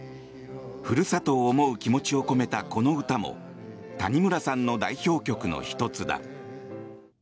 ふるさとを思う気持ちを込めたこの歌も谷村さんの代表曲の１つだ。